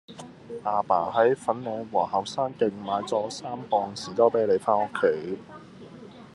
亞爸喺粉嶺皇后山徑買左三磅士多啤梨返屋企